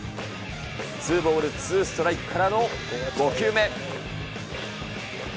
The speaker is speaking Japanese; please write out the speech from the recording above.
ツーボールツーストライクからの５球目。